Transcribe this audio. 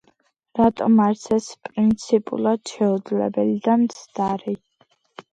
რატომ არის ეს პრინციპულად შეუძლებელი და მცდარი?